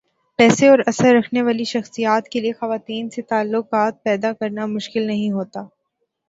پیسے اور اثر رکھنے والی شخصیات کیلئے خواتین سے تعلقات پیدا کرنا مشکل نہیں ہوتا۔